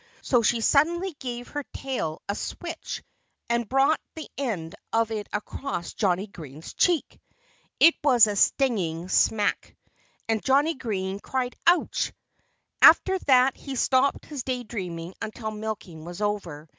So she suddenly gave her tail a switch and brought the end of it across Johnnie Green's cheek. It was a stinging smack. And Johnnie Green cried, "Ouch!" After that he stopped his day dreaming until milking was over.